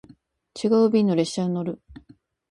違う便の列車に乗る